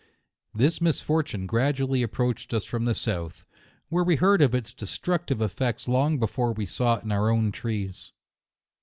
This misfortune gradually approached us from the south, where we heard of its de structive effects long before we saw it in our own trees.